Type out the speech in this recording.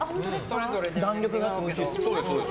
弾力があっておいしいです。